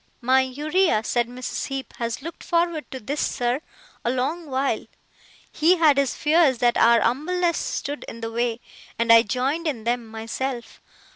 'My Uriah,' said Mrs. Heep, 'has looked forward to this, sir, a long while. He had his fears that our umbleness stood in the way, and I joined in them myself.